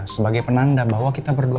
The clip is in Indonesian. sebagai penanda bahwa kita berdua